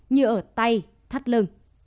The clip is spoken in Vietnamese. như ở tay thắt lưng